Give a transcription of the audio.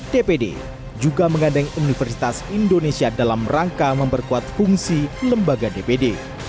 dpd juga mengandeng universitas indonesia dalam rangka memperkuat fungsi lembaga dpd